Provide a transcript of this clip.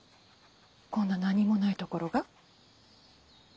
こんな何もないところが？